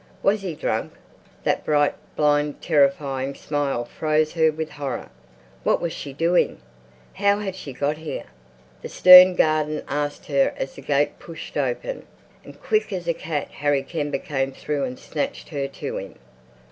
Was he drunk? That bright, blind, terrifying smile froze her with horror. What was she doing? How had she got here? the stern garden asked her as the gate pushed open, and quick as a cat Harry Kember came through and snatched her to him.